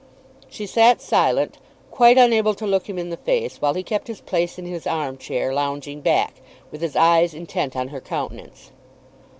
She sat silent, quite unable to look him in the face, while he kept his place in his arm chair, lounging back, with his eyes intent on her countenance.